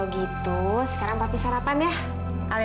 siapa siapa ini itu